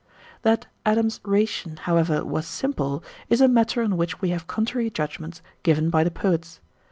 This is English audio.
1881. That Adam's "ration," however, was "simple," is a matter on which we have contrary judgments given by the poets.